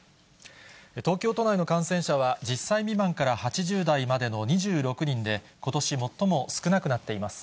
東京都内の感染者は、１０歳未満から８０代までの２６人で、ことし最も少なくなっています。